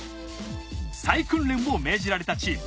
再訓練を命じられたチーム。